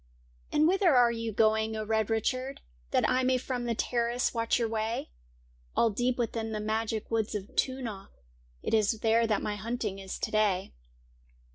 ' And whither are you going, O Red Richard ! That I may from the terrace watch your way ?'' All deep within the magic woods of Toonagh, It is there that my hunting is to day.'